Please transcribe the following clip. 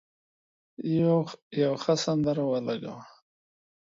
یو ښه سندره ولګوه.